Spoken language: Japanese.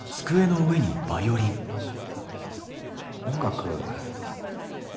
音楽。